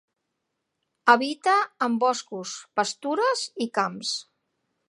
Habita en boscos, pastures i camps.